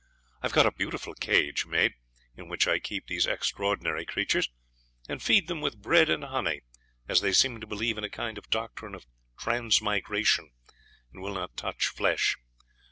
I have got a beautiful cage made, in which I keep these extraordinary creatures, and feed them with bread and honey, as they seem to believe in a kind of doctrine of transmigration, and will not touch flesh.